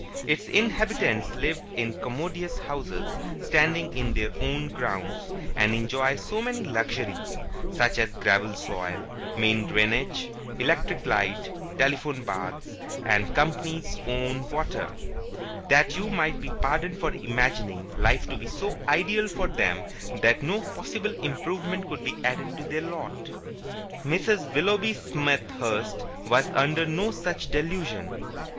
Its inhabitants live in commodious houses, standing in their own grounds, and enjoy so many luxuries such as gravel soil, main drainage, electric light, telephone, baths (h. and c.), and company's own water, that you might be pardoned for imagining life to be so ideal for them that no possible improvement could be added to their lot. Mrs. Willoughby Smethurst was under no such delusion.